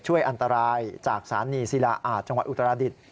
ช่วยอันตรายจากสานีสิลาอาจจอุตราดิษฐ์